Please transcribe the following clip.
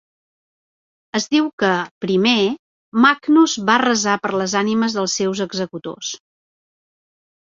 Es diu que, primer, Magnus va resar per les ànimes dels seus executors.